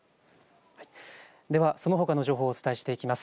ではそのほかの情報をお伝えしていきます。